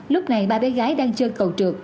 lúc này ba bé gái đang chơi cầu trượt